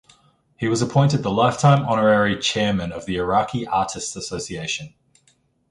He was appointed the lifetime honorary chairman of the Iraqi Artists Association.